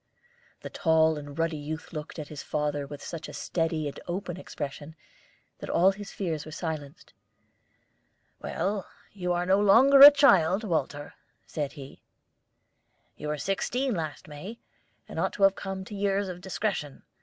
The tall and ruddy youth looked at his father with such a steady and open expression that all his fears were silenced. "Well, you are no longer a child, Walter," said he. "You were sixteen last May, and ought to have come to years of discretion.